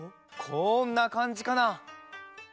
こんなかんじかな？